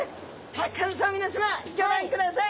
シャーク香音さま皆さまギョ覧ください